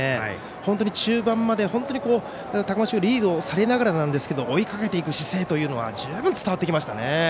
本当に中盤まで高松商業にリードされながらでしたが追いかけていく姿勢というのは十分伝わってきましたね。